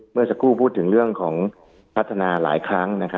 เมื่อสักครู่พูดถึงเรื่องของพัฒนาหลายครั้ง